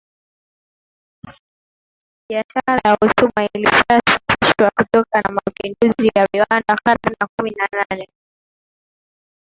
Biashara ya utumwa ilishasitishwa kutokana na mapinduzi ya viwanda karne ya kumi na nane